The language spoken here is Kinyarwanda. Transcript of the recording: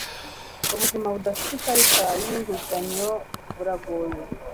Ubuzima budafite ikarita yinguzanyo buragoye.